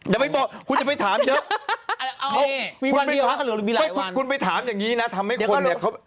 อย่าไปต่อคุณจะไปถามเถอะคุณไปถามอย่างนี้นะทำให้คนเนี่ย